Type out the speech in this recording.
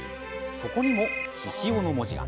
そこにも、ひしおの文字が。